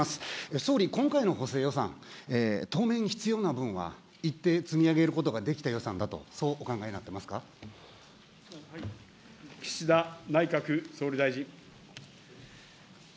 総理、今回の補正予算、当面、必要な分は、一定積み上げることができた予算だと、岸田内閣総理大臣。